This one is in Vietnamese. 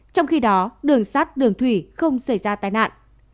trong khi đó đường sát đường thủy không xảy ra tai nạn